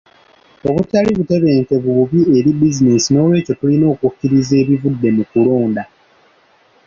Obutali butebenkevu bubi eri bizinesi, n'olwekyo tulina okukkiriza ebivudde mu kulonda.